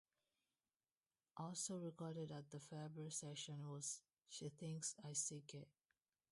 Also recorded at the February session was "She Thinks I Still Care".